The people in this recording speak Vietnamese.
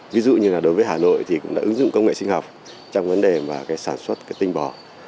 ví dụ như là đối với hà nội thì cũng đã ứng dụng công nghệ sinh học trong vấn đề mà sản xuất cái tinh bò